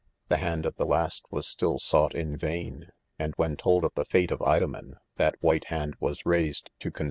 The hand of the last was stillj sought m vain ; and when told of the fate^° Idomen, that white hand was raised to $*